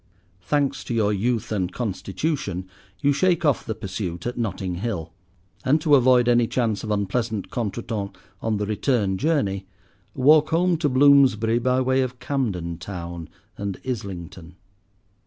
Thanks to your youth and constitution you shake off the pursuit at Notting Hill; and, to avoid any chance of unpleasant contretemps on the return journey, walk home to Bloomsbury by way of Camden Town and Islington.